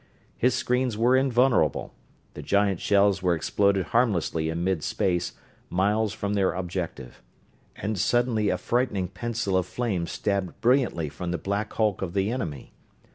His screens were invulnerable, the giant shells were exploded harmlessly in mid space, miles from their objective. And suddenly a frightened pencil of flame stabbed brilliantly from the black hulk of the enemy.